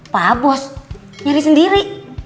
pak bos nyari sendiri